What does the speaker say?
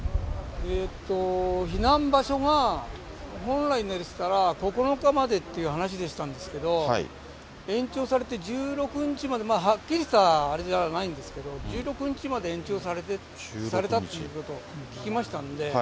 避難場所が本来でしたら９日までという話でしたんですけど、延長されて１６日まで、はっきりしたあれじゃないんですけど、１６日まで延長されたということを聞きましたんで。